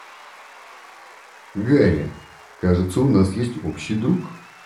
Гарри, кажется, у нас есть общий друг.